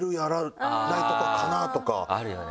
あるよね。